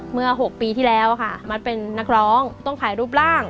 เมื่อ๖ปีที่แล้วค่ะมัดเป็นนักร้องต้องถ่ายรูปร่าง